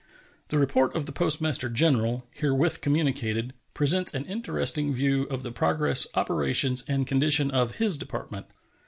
The report of the Postmaster General, herewith communicated, presents an interesting view of the progress, operations, and condition of his Department.